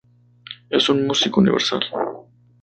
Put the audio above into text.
Es un músico universal.